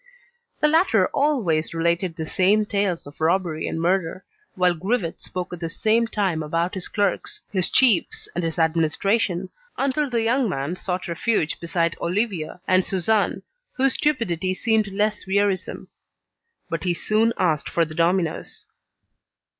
The latter always related the same tales of robbery and murder, while Grivet spoke at the same time about his clerks, his chiefs, and his administration, until the young man sought refuge beside Olivier and Suzanne, whose stupidity seemed less wearisome. But he soon asked for the dominoes.